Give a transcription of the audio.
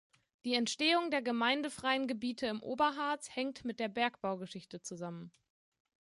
Die Entstehung der gemeindefreien Gebiete im Oberharz hängt mit der Bergbaugeschichte zusammen.